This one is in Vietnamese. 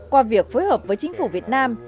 qua việc phối hợp với chính phủ việt nam